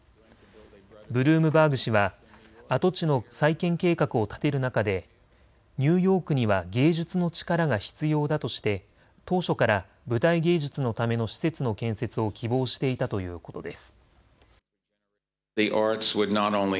ブルームバーグ氏は跡地の再建計画を立てる中でニューヨークには芸術の力が必要だとして当初から舞台芸術のための施設の建設を希望していたということです。